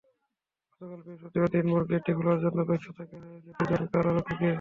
গতকাল বৃহস্পতিবার দিনভর গেটটি খোলার জন্য ব্যস্ত থাকতে হয়েছে দুজন কারারক্ষীকে।